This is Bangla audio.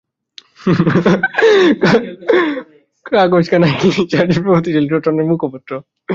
কাগজখানা ইংলিশ চার্চের উন্নতিশীল সম্প্রদায়ের অন্যতম মুখপত্র।